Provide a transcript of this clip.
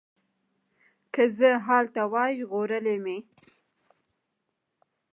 که زه هلته وای ژغورلي مي